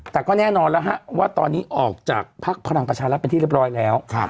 แต่ก็แน่นอนแล้วฮะว่าตอนนี้ออกจากภักดิ์พลังประชารัฐเป็นที่เรียบร้อยแล้ว